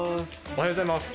おはようございます。